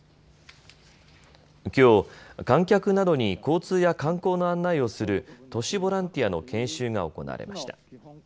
きょう観客などに交通や観光の案内をする都市ボランティアの研修が行われました。